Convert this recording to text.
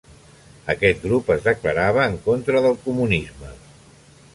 Aquest grup es declarava en contra del comunisme.